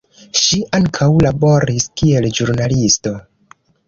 Ŝi ankaŭ laboris kiel ĵurnalisto.